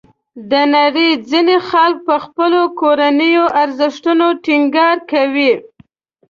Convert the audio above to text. د نړۍ ځینې خلک په خپلو کورنیو ارزښتونو ټینګار کوي.